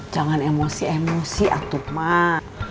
jangan emosi emosi atau mak